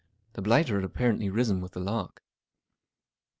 The blighter had apparently risen with the lark.